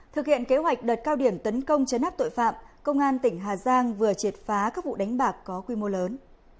thực hiện kế hoạch đợt cao điểm tấn công chấn áp tội phạm công an tỉnh hà giang vừa triệt phá các vụ đánh bạc có quy mô lớn